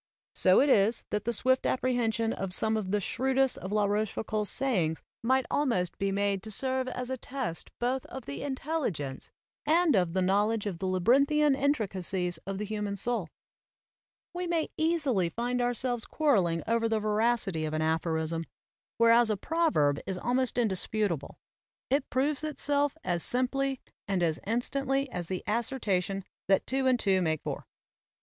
So it is that the swift appre hension of some of the shrewdest of La Roche foucauld's sayings might almost be made to serve as a test both of the intelligence and of the knowledge of the labyrinthian intricacies of the human soul. We may easily find ourselves quarreling over the veracity of an aphorism, whereas a proverb is almost indisputable; it proves itself as simply 100 AMERICAN APHORISMS and as instantly as the assertion that two and two make four.